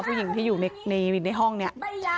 ผู้หญิงที่อยู่ในห้องเนี่ย